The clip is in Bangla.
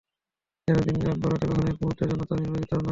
যেন দিন বা রাতে কখনো এক মুহূর্তের জন্য তা নির্বাপিত না হয়।